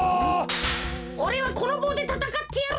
おれはこのぼうでたたかってやるぜ！